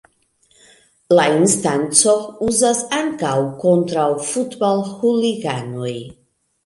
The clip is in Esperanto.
La instanco uzas ankaŭ kontraŭ futbal-huliganoj.